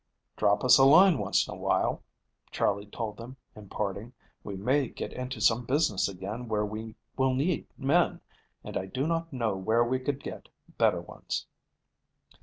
"Drop us a line once in a while," Charley told them, in parting. "We may get into some business again where we will need men, and I do not know where we could get better ones."